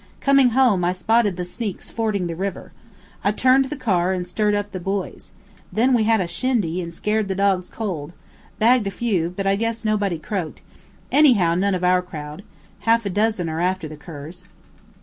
Coming home I spotted the sneaks fording the river. I turned the car, and stirred up the boys. Then we had a shindy, and scared the dogs cold bagged a few, but I guess nobody croaked anyhow, none of our crowd. Half a dozen are after the curs.